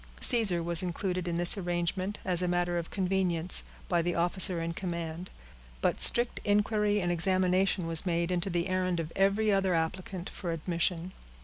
Caesar was included in this arrangement, as a matter of convenience, by the officer in command; but strict inquiry and examination was made into the errand of every other applicant for admission.